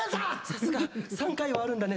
さすが！３回はあるんだね